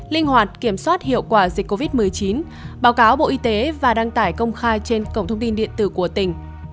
linh hoạt kiểm soát hiệu quả dịch covid một mươi chín báo cáo bộ y tế và đăng tải công khai trên cổng thông tin điện tử của tỉnh